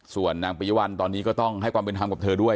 ส่วนนางปริยวัลตอนนี้ก็ต้องให้ความเป็นธรรมกับเธอด้วย